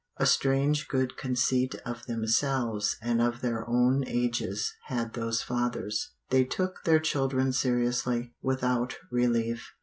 A strange good conceit of themselves and of their own ages had those fathers. They took their children seriously, without relief.